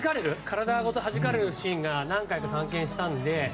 体ごとはじかれるシーンが何回か、散見したので。